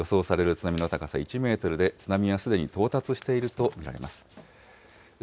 予想される津波の高さ１メートルで、津波はすでに到達していると見られます。